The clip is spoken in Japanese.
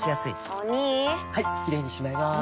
お兄はいキレイにしまいます！